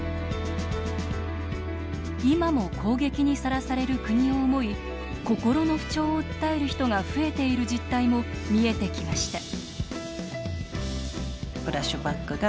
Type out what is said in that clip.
今も攻撃にさらされる国を思い心の不調を訴える人が増えている実態も見えてきました